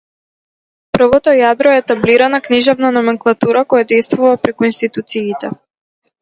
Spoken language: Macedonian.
Првото јадро е етаблираната книжевна номенклатура која дејствува преку институциите.